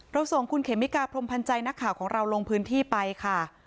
ส่งคุณเขมิกาพรมพันธ์ใจนักข่าวของเราลงพื้นที่ไปค่ะ